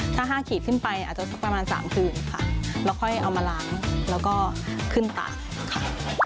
ถ้า๕ขีดขึ้นไปอาจจะสักประมาณ๓คืนค่ะแล้วค่อยเอามาล้างแล้วก็ขึ้นตากค่ะ